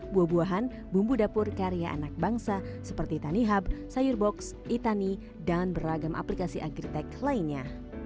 buah buahan bumbu dapur karya anak bangsa seperti tanihub sayur box itani dan beragam aplikasi agritech lainnya